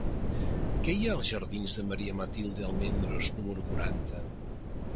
Què hi ha als jardins de Maria Matilde Almendros número quaranta?